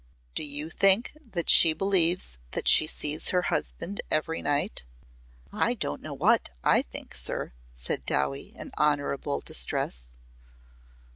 "Do you think that she believes that she sees her husband every night?" "I don't know what I think, sir," said Dowie in honourable distress.